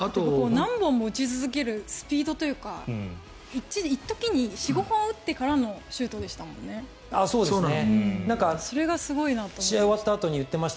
何本も打ち続けるスピードというか４５本打ってからのシュートでしたもんね。